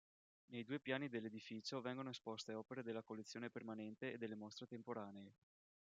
Nei due piani dell'edificio vengono esposte opere della collezione permanente e delle mostre temporanee.